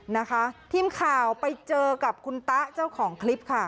นะคะทีมข่าวไปเจอกับคุณตะเจ้าของคลิปค่ะ